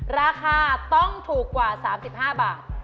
ราคาต้องถูกกว่า๓๕บาท